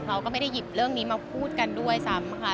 เราก็ไม่ได้หยิบเรื่องนี้มาพูดกันด้วยซ้ำค่ะ